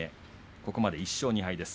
ここまで１勝２敗です。